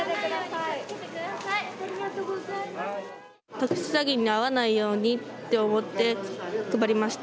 特殊詐欺に遭わないようにと思って配りました。